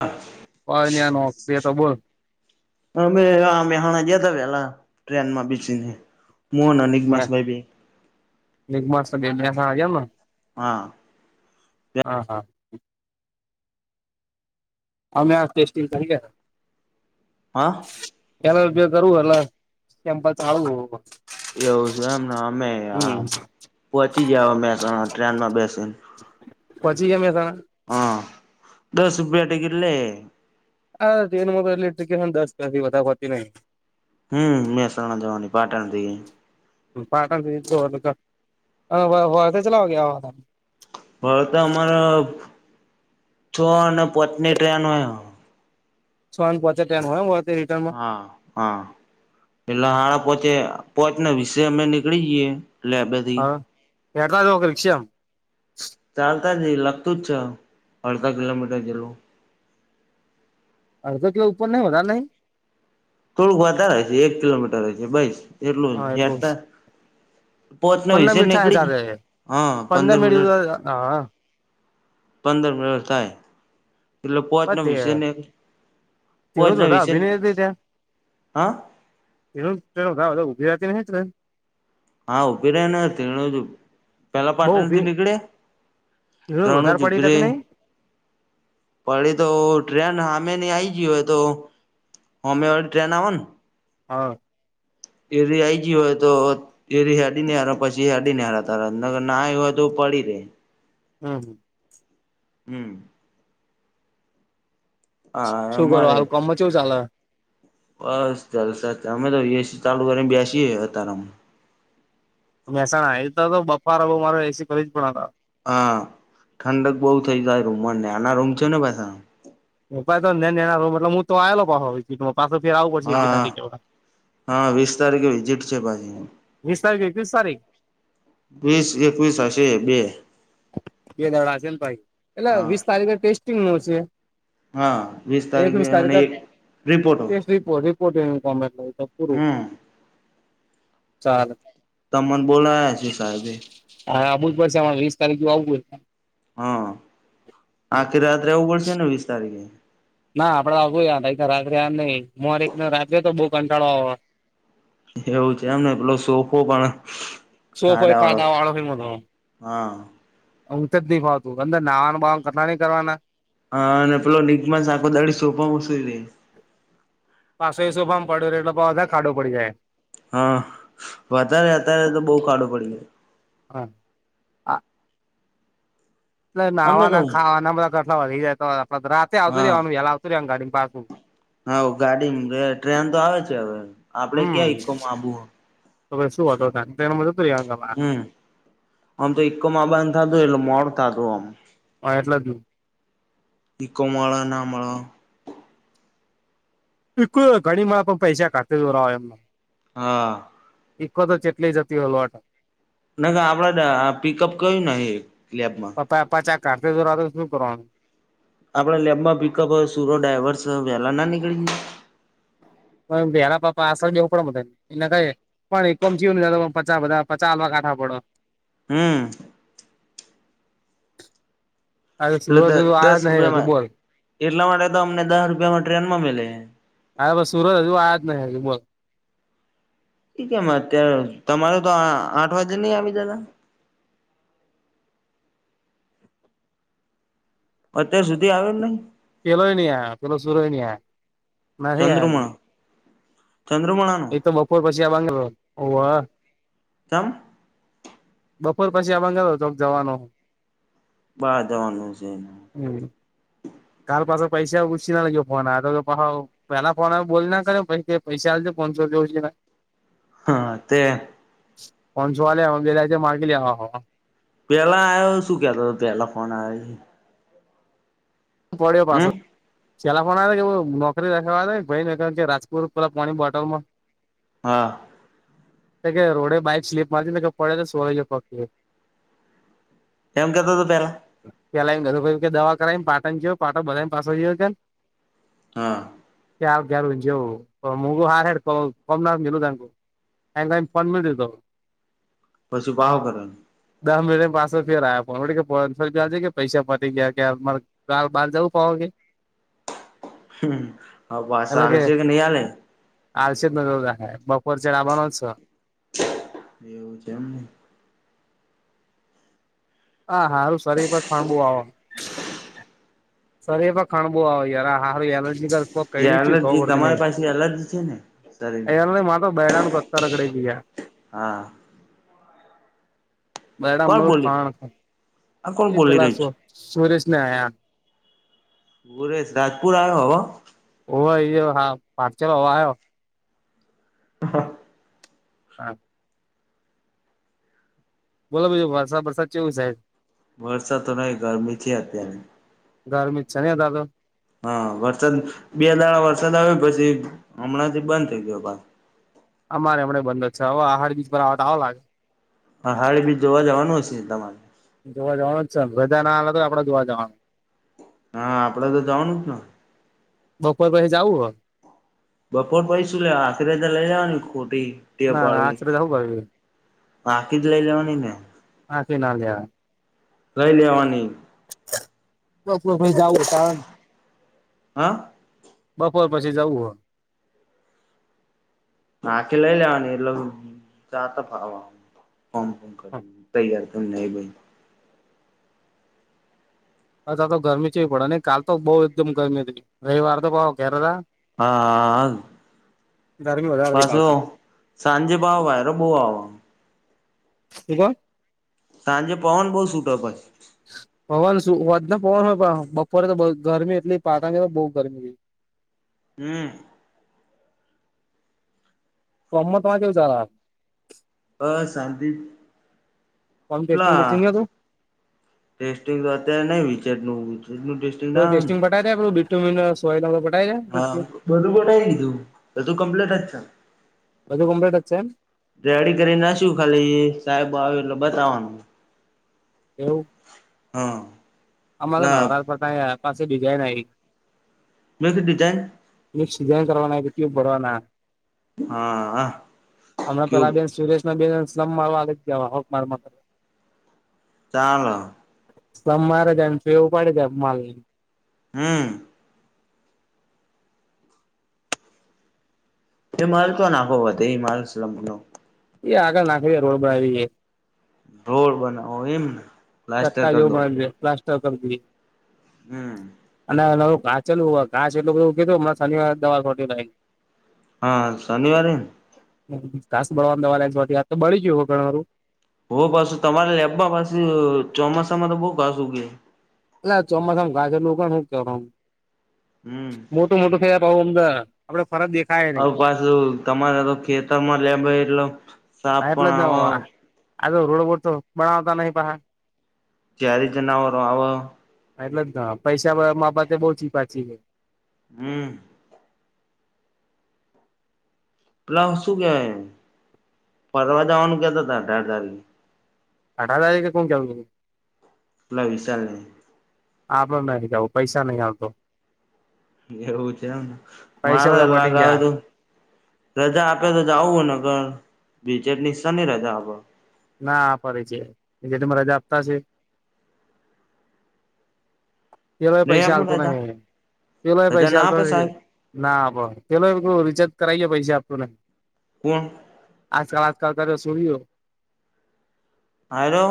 હાચ [unintelligible] હા ન્યાય નો નોકરી તો બોલ. અમે અમે મેહાણા ગયા તા તેલા ટ્રેન માં બેસીને મોન અને નિગમાસ ભાઈ બે એક માસ સગે મહેસાણા ગયા તા હા હા હા અમે આ ટેસ્ટિંગ કરી ગયા હા ક્યારે ઉપયોગ કરવો એટલા સેમ્પલ ચાલવું એવું છે એમને અમે આહ પહોચી ગ્યાં મહેસાણા ટ્રેન માં બેસીન પહોંચી ગયા મહેસાણા હા દસ રૂપિયા ટિકિટ લે અહ ટ્રેનમા પણ આટલી ટિકિટ દસથી વધા હોતી નહી હમ્મ મહેસાણા જવાની પાટણ થી હમ્મ પાટણથી તો બધા અહ વ વળતે ચલા હો ગયા હોગા વળતા અમારા છો અને પોતની ટ્રેન હોય છોને પોચની ટ્રેન હોય વળતે રિટર્ન માં હા હા પેલા હડા પોચે પોચને વિશે અમે નીકળી જઈએે હ એટલા લોકે રિક્ષા એમ ચાલતા જ એ લગતું જ છે અડધા કિલોમીટર જેટલું અડધો કે ઉપર નહીં વધારે નહીં થોડુંક વધારે હશે એક કિલોમીટર રહેશે બસ એટલું યાદ ત પોતચને પંદર વિશે મિનિટ થાય નીકળી જાતે હા પંદર મિનિટ પંદર મિનિટ થાય એટલે પોહચને વિશે ને [unintelligible] તેણ જ પોચના બધા વિશે અભિનય ત્યાં હા તેધ ઉભીતી [unintelligible] હા ઊભી રે ને [unintelligible] પેલા બહુ પાટણ ઉભી થી નીકળે એનો રણુજ વધારે પડી ઉભી તક રે નહી પડી તો ટ્રેન હામેની આઈ ગય હોય તો હોમે વારી ટ્રેન આવને હા એ ર આઈજી હોય તો એ ર હડી ને હાર પછી હડી ને હાર તારગર ના આવ હોય તો પડી રે હમ્મ, હમ્મ હમ્મ હા શું કરો અમારે હાલ કમ ચુ સાલા બસ જલસા છે અમે તો એસી ચાલુ કરીને બેસીએ હતારમા મહેસાણા એઈ તો તો બફારા બઉ મારો એસી કરી જ પણ હતા હા ઠંડક બહુ થઇ જાય રૂમમાં નાના રૂમ છે ને પાછા રાય તો ને એના રમ એટલે હ તો આવેલો પાો પા ફેરવું પડશે એક હા [unintelligible] હા વીસ તારીખે વિઝિટ છે પાછી વીસ તારીખ કે એકવીસ તારીખ વીસ એકવીસ હશે બે બે દાડ છે ને ભાઈ એટલે હા વીસ તારીખે ટેસ્ટિંગ નું અસે હા વીસ તારીખે અને એક રિપોર્ટ હો રિપો રિપોર્ટંગ કોમે એ તો પૂરું હમ ચાર તમને બોલાયા છે સાહેબે હામુ જ પડશે અમારે વીસ તારીખ જો આવવું હોય હા આખી રાત રેઉ પડશેને વીસ તારીખે ના આપડે આવું યાર રાત્રે યાર નહી મારે એક તો રાત્રે તો બહુ કંટાળો આવે. એવું છે એમને પેલો સોફો પણ સોફય ખાડા વાળો ખાના વાળા હા ઊચ જ ન ફાવતું અંદર નાવાનું કથા નહી કરવાના હા અને પેલો નિગમાસ આખો દાડો સોફામાં સૂઈ રેઇ પાસો એ સોફામાં પડ્યો રેઇ એટલે બધા ખાડ પડી જાય હા વધારે અત્યારે તો બહુ ખાડો પડી જાય હા એટલે અમે તો નાાવાના ખાવાના બધા જેટલા વાગી જાય તો રાતે આવતું હા રવાનું વેલા આવતું રેવાની ગાડી પાછું હા ગાડી ટ્રેન તો આવે છે હવે આપડે હમ ક્યાં ઈકોમાંબુ [unintelligible] હમ આમ તો એકમ આબાન થતું એટલે મોડું થતું થામ હા એટલા જ ને ઇકો મળે ન મળે ઇકોતો ઘણીમાં પણ પૈસા ખાતા [unintelligible] હા ઇકોતો ચોટલી જતી હોલ ના આપડે પિકઅપ ક્યુંને એ લેબમાં [unintelligible] તો શું કરવાનું આપડે લેબમાં પિકઅપ હોય સુરો ડ્રાઈવર્સય વહેલાના નીકળી જઈએ પણ પેલા તો પાછળ બેસવું પડે બધાને એને ક પણ ઈકોમા જાયેને પચાસ વધાર આપવા ચાલ કાઠા પડો હમ અરે એટલે સુરજ હજુ આ દસ જ નહી હજુ રૂપિયામાં બોલ એટલા માટે તો અમને દસ રૂપિયામાં ટ્રેનમાં મલે હા બસ સુરત હજુ આયા જ નહી બોલ એ કેમ અત્યારે તમારે તો આઠ વાગે નઈ આવી જતા અત્યાર સુધી આવ્યો નહી પેલો હો નહી આયા પેલો સુરો નિ યાય ચંદ્રમણ ચંદ્રમાણા એ તો બપોર પછી આ બાંગ્લોર ઓવ તમ બપોર પછી આબાગ તો જવાનો બાર જવાનું છે એ હમ કાલ પાછા પૈસા ઉછીના લયો ફોન તો પાહો પેલા ફોન આયો બોલના કરે પછ પૈસા આવજે પાનસો રૂપિયા ઉશીના હા તે પાનસો આલિયા [unintelligible] માર્ગે લેવા પેલા આવ્યો શુંકેતો પેલા ફોન આવ્યો પડ્યો પાછો હમ પેલા ફોન આયો નોકરી રાખાવા ભાઈ કારણ કે રાજકોર પેલા પાણીની બોટલમાં હા કે રોડ બાઈક સ્લીપ મારીતીને પડે તો સોલાઈ ગયો પગ [inaudible] એમ કેતો હતો પેલા પલાયને એધું ક કે દવા કરાવી પાટણ જયો પાટો બાંધી પાછો જોયો કેમ હા. ક્યાાર કું જેવું મુગું હાર કોમના મલું ત. ક કઈ ફોનમે દતો. પછી ભાવ કરે. દસ મિટ પાછસે ફેર આ્યા ફોન કેજે કે પૈસા પરી ગયા કેમાર ઘ બહાર જવું પાઓે. હ હ, પાસ આલ છે કે ન આલેે? આલશે જ નજરે બપોર છે ડાબાનો છ. એવું છે એમને. હા હાારું શરીર પર ફાંબું આવ. [inaudible] સર એ પણ ખાણ બુ આવે ય હારું એલર્જી કર. એ એલર્જી તમારી પાસે એલર્જી છે ને. શરીરને અને મા તો બેડાનું પત્તા રગડે કયા. હા. બડાામ ન કોણ બોલી ખાણ ખ આ કોણ એ બોલી પેલા રહ્યું છે સુરેશને આયા. ભુરેશ રાજપુર આવ્યો હવે. ઓ હા પારચલ વા આવ. હા. હા. બોલો ભજ વરસા વરસાદ ચોવીસાય. વરસાદ તો ન ગરમી છે અતની. ગરમી છે દાદો. હા વરસાદ, બે દાણા વરસાદ આવ્યો પછી હમણાં થી બંધ થઇ ગયો ભ. અમારે હમને બંધ જ છે હવે આહડ બીચ પર આવવા આવ લાગે. હ હડ બી જોવા જવાનું હશે તમારે? જોવા જવાનું ભજા ના તો આપડે જોવા જવાનું. હા આપડે તો જવાનું જને. બપોર પસે જાઉુ હ. બપોર પૈસું લેવા આખરે તો લઈ જવાની ખોટી ટે ના ના પાડવી. આખરે જવું પડે બાકીી જ લઈ લેવાની ને. હાખી ના જ. લઈ લેવાની. ભાઈ જવું તમ. હા. બપોર પછી જવું હો. આખી લઈ લેવાની એટલે ચાતા ફાવવા. ફમ ફમ હો કરી તૈયાર કરને બ. અથા તો ગરમી છે પડે નઈ કાલ તો બહુ એકદમ ગરમી હતી રવિવાર તો ભાવ ઘેર હતા. હા. ંગેવા [unintelligible] પાછો સાંજે ભાવ ભય ર બહ આવ. હક [unintelligible] તજ પવન બહુ સટો પછ છે. પવન શું વધ ના પવન હોય પણ બપોરે તો ગરમી એટલી પાતાંગ બઉુ ગરમી. હમ કોમમાં તમારે કેવું ચાલે? બસ શાંતિ કોમ ટેસ્ટિંગ પેલા બેસ્ટિંગ નતું ટેસ્ટિંગ તો અત્યારે નહી વિચેટનું [inaudible] ટેસ્ટિ તો ટેસ્ટિંગ બતાવી દે પેલું બીટ તુમીના સોયલામાં પતાઈ હા દે [inaudible] બધું પટાઈ દીધું બધું કમ્પ્લીટ જ છે. બધું કમ્લેટ જ છે એમ? રેડી કરી ના શું ખાલી સાહેબ આવે એટલે બતાવવાનું. એવું હા અમારા ના નવરા પડતા આયે પાસે બીજાય આઈ મેં તો ડિઝાઇન સિજન કરવાના કે ટ્યુબ ભરવાના હા હા હમણાં ક્યુબ પેલા બેન સુરેશ [inaudible] ચાલો. સમ મારે જાઈને પેલું ઉપાડે જાય માલને. હમ તે માલ તો નાખો વધે એ માલ સલમો. એ આગળ નાખવી રોડ બનાવીએ રોડ બનાવો એમને? પ્લાસ્ટર ચટ્ટા કરી જેવું દો માન પ્લાસ્ટ્ટર કરી દઈએ. હમ અને નવું ઘાંચેલું ઘાસ એટલું બધું ઊગ્યું તું હમણા શનિવારે દવા છોટી ને આઈ. હા શનિવારે ને? ઘાસ બળવાની દવા લે આ તો બળી ગયું હો તમારું. હો પાછુ તમારે લેબમાં પાછું ચોમાસામાં તો બઉ ઘાસ ઊગે. એટલે ચોમાસામાં ઘાસ એટલું ઊગે ને હું કરવાનું. હમ મોટો થયા તો હો અમદા આપડે ફરક દેખ હવે પાછું તમારે તો ખેતરમાં લેબ હોય એટલે. સાપ હા એટલે પણ જ ને આવ આતો રોડ બોરતો બનાવતા નહી પાહા. ક્યારે જનાવરો આવે. હા એટલે જ ને પૈસા મા બાબતે બહચી પાછી હે. હમ પેલા શું કહેવાય ફરવા જાવાનું કહેતા તા અઢાર તારીકે અઢાર તારીખે કોણ કેતુ તું? અલા વિશાલને. આપડે નહીં જાવુ પૈસા નહીં આલતો. એવું છે એમ? પૈસા મારે બધા લાગ પટી આયો ગયા તું રજા આપે તો જાવું હે નકર બીચેટ શાની રજા આપે. ના આ ફડે છે જે તમે રજા આપતા છે. પેલોય નહી પૈસા આપે આલતો રજા નહીં પેલોય રજા પૈસા ના આલતો આપે સાહેબ નહીં. ના આપો પેલો રિચાર્જ કરાવી ગયો પૈસા આપતો નહી. કોણ? આજકાલ આજકાલ કરે સૂરીયો. હલો,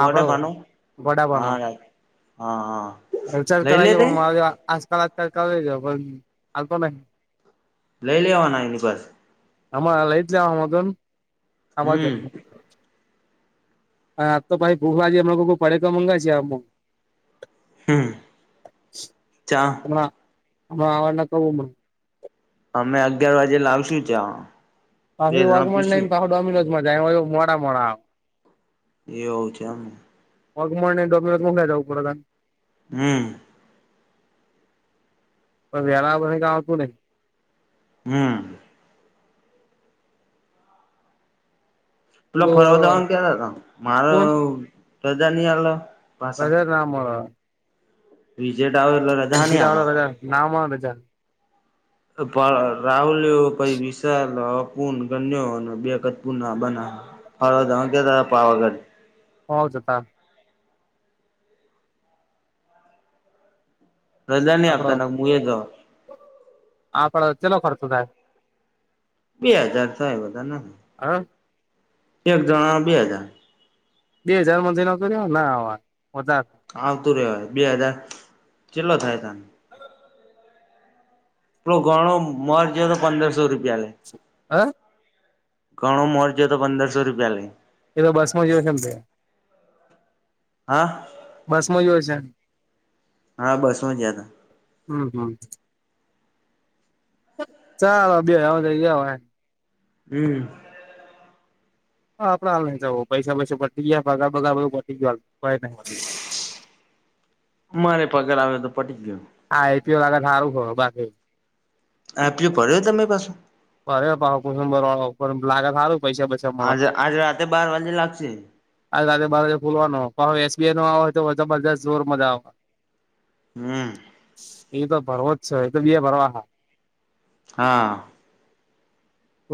પોડા આપડો ભણું હા રા હા હા. રીચાર્જ લઈ કરાઈ લે ગયો તે પણ મા આજકાલ કરેજ પણ હાલતો નહી. લઈ લેવાના એની પાસે. આમાં લેજ લેવા મગન આમાં જ. હમ હા આજ તો ભાઈ બહુ આજી એમના લોકો પડેકું મંગા છે આમો. હમ ચા હ હ આવાજ ના ક. અમે અગિયાર વાગે લાગશું ચ. હછી વગમન લઈને તો ડોમિનોઝ માં જાય મોડા મોડા. એ હવ છે હમ. મગમણને ગોમીત મ ખાઈ જઉંરાન. હમ. પણ વેના પ ક આવતું નહી. હમ. પેલો પેલું ફરવદવા કતા ત મારો કોણ પ્રજાની આ ભાષા. રામ. વિજય ડાવર એ ગીટ રજા નામા રજા. રાહુલ પઈ વિષાલ. પૂ ગન્યો બેપૂ બ ફળ તગઢ [unintelligible] હો જતા. રજા નહી આપતા હું એ જા. આપ પણડ ચલો ખર્ચો થાય? બે હાજાર થાય બધા નથી. હ. એક જણા ન બે હાજાર. બે હાજાર માંથીનો કર્યો ના હ વધારે. આવતું રવા બે હજાર, કેટલો થાય તને? આપડો ઘણો મરજ તો પંદરસો રૂપિયા લે. હ ઘણો મોરજો તો પંદરસો રૂપિયા લઈ. એ તો બસ માં જ કેમ થ. હા. બસ માં જોયો છે? હા બસમાં જયા હતા. હમ હમ, ચાલો બે હ થ ગયા. હમ. હા આપડ હાલ ને જ પૈસા પૈસા પટી ગયા પગાર બગારધ પટી ગયો. બદ [unintelligible] મારે પક આવે તો પટી ગું. હા આઈપી ઓ લગે સારું હો બા. આપલું ભર્યો તરી પાસે? અરે પાવ કુશું બર લાગે સારું પૈસા બ આજ આજ રાતેે બાર વાજે લાગશે. આજ રાતેે બાર વાજે ખોલવાનો હવે એસ બી આઈ નો આવે હોય તોબરજસ્ત જોર મજા આવે. હમ એ તો ભરવો જ છે એ તો બે ભરવા હા. હા.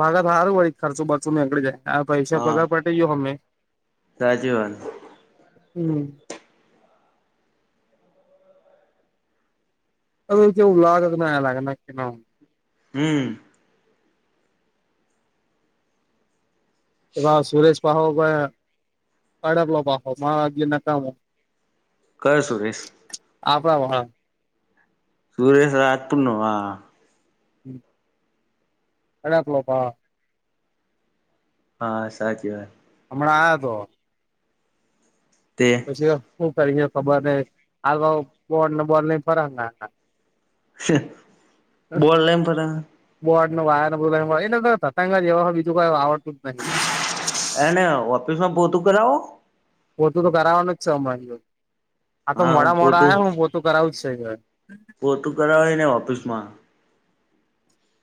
લાગા સારું વળી ખર્ચો બચો નેકળી જાય પૈસા હા પગાર પટે ગયો અમે સાચી વાત હમ. હવે કેવુ લાગે કે ના લાગે નક્કી ના હમ. એવા સુરેશ પહો અડલોબ હોમા અગલી નકા મો- કર સુરેશ આપણા હ સુરેશ અ પૂ ન હમ. [inaudible] હા સાચી વાત હમણાં આયો તો તે જે હું કરીને ખબર ન [unintelligible] [inaudible] બોલ નઈ [unintelligible] બોલ લઈને પરા બોર્ડું વાયર બધ એ [unintelligible] જ એવા બીજું કઈ આવડતું નહિ એને ઓફિસ માં પોહતું કરાવો પોતું તો કરાવવાનું જ છે અમારી જોડે આ તો હા હું મોડા મોડા પોતું આ હું પોતું કરાવું જ છે પોતું કરાવય ને ઓફિસ માં